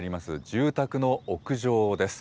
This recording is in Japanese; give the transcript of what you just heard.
住宅の屋上です。